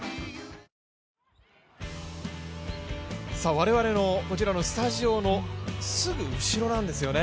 我々の、このスタジオのすぐ後ろなんですよね。